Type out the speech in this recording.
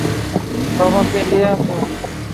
বাবাকে নিয়ে এসো।